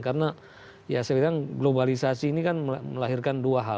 karena ya saya pikir globalisasi ini kan melahirkan dua hal